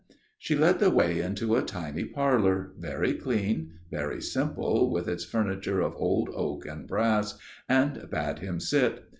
She led the way into a tiny parlour, very clean, very simple with its furniture of old oak and brass, and bade him sit.